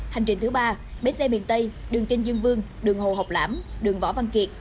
hành trình thứ ba bến xe miền tây đường kinh dương vương đường hồ học lãm đường võ văn kiệt